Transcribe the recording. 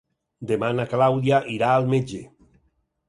Demà na Clàudia irà al metge.